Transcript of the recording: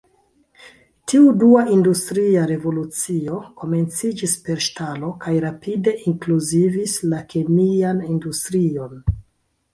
Tiu "dua" industria revolucio komencis per ŝtalo kaj rapide inkluzivis la kemian industrion.